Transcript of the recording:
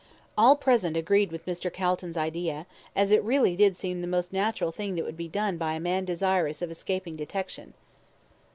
All present agreed with Mr. Calton's idea, as it really did seem the most natural thing that would be done by a man desirous of escaping detection.